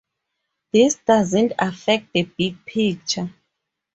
This doesn't affect the big picture.